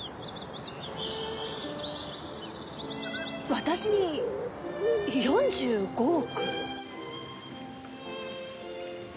私に４５億？